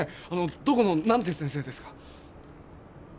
どこの何て先生ですか！？